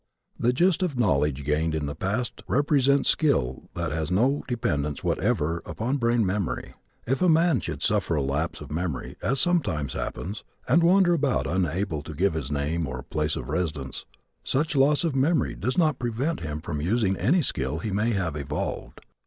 The gist of knowledge gained in the past represents skill that has no dependence whatever upon brain memory. If a man should suffer a lapse of memory, as sometimes happens, and wander about unable to give his name or place of residence, such loss of memory does not prevent him using any skill he may have evolved.